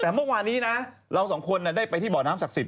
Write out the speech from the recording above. แต่เมื่อวานนี้นะเราสองคนได้ไปที่บ่อน้ำศักดิ์สิท